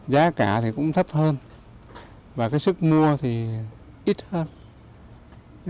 giá cả thì cũng thấp hơn và cái sức mua thì ít hơn